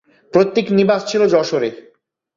পৈতৃক নিবাস ছিল যশোরে।